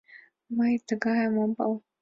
— Мый тыгайым ом пале.